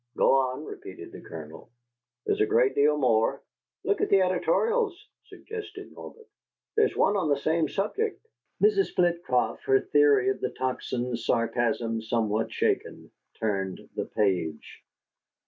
"Go on," repeated the Colonel. "There's a great deal more." "Look at the editorials," suggested Norbert. "There's one on the same subject." Mrs. Flitcroft, her theory of the Tocsin's sarcasm somewhat shaken, turned the page.